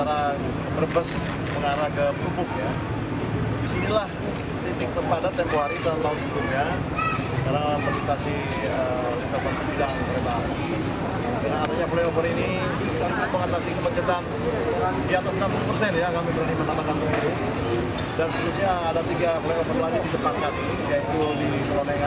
antara brebes mengarah ke pupuk disinilah titik terpadat yang keluar di tahun tahun sebelumnya